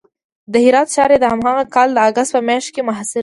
د هرات ښار یې د هماغه کال د اګست په میاشت کې محاصره کړ.